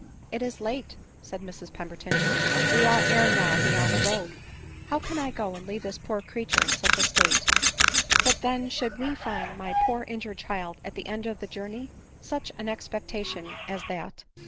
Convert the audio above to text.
" It is late," said Mrs Pemberton—" we ought ere now to be on the road." " How can I go, and leave this poor creature in such a state ?— But then should we find my poor injured child at the end of the journey ! 43uch an expectation as that